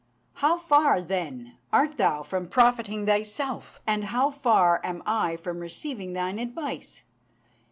How far, then, art thou from profiting thyself, and how far am I from receiving thine advice?